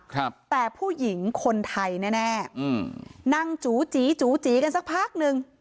ครับแต่ผู้หญิงคนไทยแน่แน่อืมนั่งจูจีจูจีกันสักพักหนึ่ง